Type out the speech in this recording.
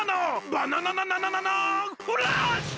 バナナナナナナナーンフラッシュ！